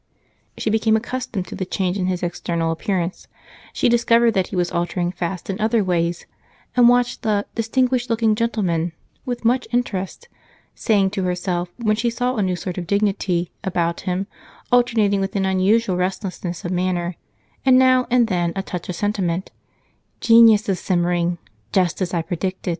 As she became accustomed to the change in his external appearance, she discovered that he was altering fast in other ways and watched the "distinguished looking gentleman" with much interest, saying to herself, when she saw a new sort of dignity about him alternating with an unusual restlessness of manner, and now and then a touch of sentiment, "Genius is simmering, just as I predicted."